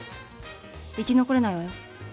生き残れないわよ。